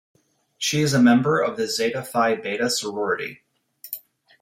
She is a member of Zeta Phi Beta sorority.